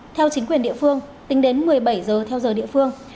theo chính quyền địa phương tính đến một mươi bảy giờ theo giờ địa phương